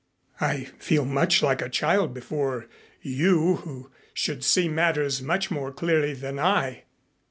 I feel much like a child before you, who should see matters much more clearly than I.